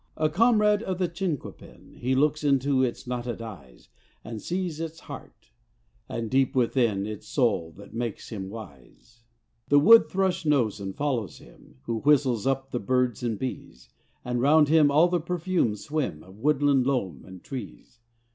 A comrade of the chinquapin, He looks into its knotted eyes And sees its heart; and, deep within, Its soul that makes him wise. The wood thrush knows and follows him, Who whistles up the birds and bees; And 'round him all the perfumes swim Of woodland loam and trees.